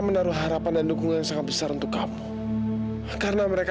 masih banyak pengobatan lainnya